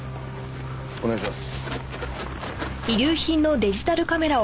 お願いします。